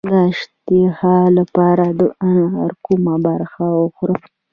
د اشتها لپاره د انار کومه برخه وخورم؟